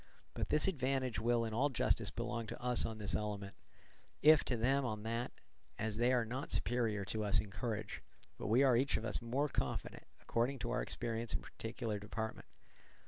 But this advantage will in all justice belong to us on this element, if to them on that; as they are not superior to us in courage, but we are each of us more confident, according to our experience in our particular department.